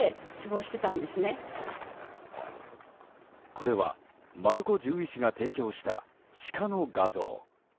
これは丸子獣医師が提供したシカの画像。